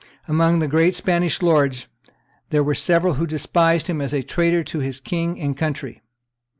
Amongst the great Spanish lords there were several who despised him as a traitor to his king and country.